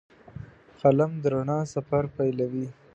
قلم د رڼا سفر پیلوي